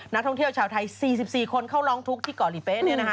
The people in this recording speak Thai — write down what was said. นักท่องเที่ยวชาวไทย๔๔คนเข้าร้องทุกข์ที่เกาะหลีเป๊ะ